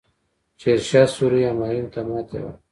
شیرشاه سوري همایون ته ماتې ورکړه.